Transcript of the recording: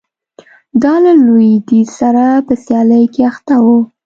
دا له لوېدیځ سره په سیالۍ کې اخته و